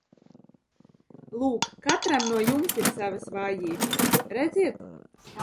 Lūk, katram no jums ir savas vājības, redziet!